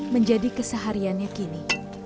menjadi kesehariannya kini